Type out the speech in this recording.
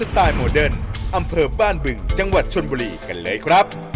ไตล์โมเดิร์นอำเภอบ้านบึงจังหวัดชนบุรีกันเลยครับ